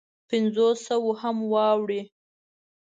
پنځو سوو هم واوړي.